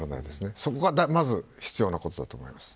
そこがまず必要なことだと思います。